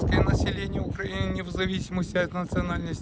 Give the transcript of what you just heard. pada luar negeri ukraina tidak tergantung dari nasionalitas